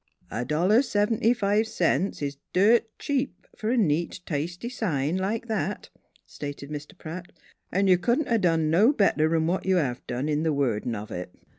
" A dollar 'n' seventy fi' cents is dirt cheap f'r a neat, tasty sign like that," stated Mr. Pratt. " 'N' you couldn't 'a' done no better 'n' what you done in th' wordin' of it.